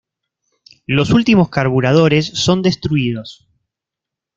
Los últimos carburadores son destruidos.